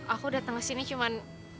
aku dateng kesini cuman